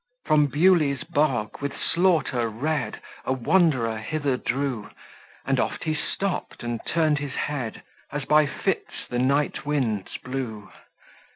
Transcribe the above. From Bewley's bog, with slaughter red, A wanderer hither drew; And oft he stopp'd and turn'd his head, As by fits the night winds blew.